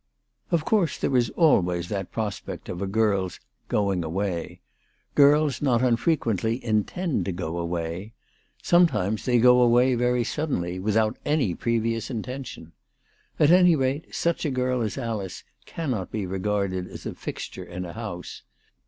Of course there is always that prospect of a girl's " going away." Girls not unfrequently intend to go away. Sometimes they " go away " very sud denly, without any previous intention. At any rate such a girl as Alice cannot be regarded as a fixture in a house.